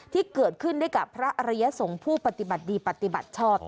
ที่เกิดขึ้นได้กับพระอริยสงฆ์ผู้ปฏิบัติดีปฏิบัติชอบ